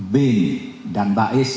bin dan baes